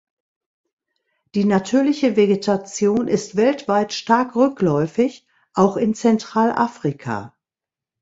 Die natürliche Vegetation ist weltweit stark rückläufig, auch in Zentralafrika.